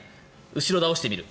後ろ倒してみる。